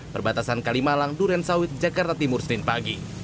perbatasan kalimalang duren sawit jakarta timur senin pagi